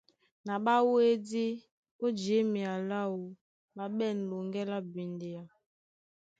Ná ɓá wédí ó jěmea láō, ɓá ɓɛ̂n loŋgɛ́ lá bwindea.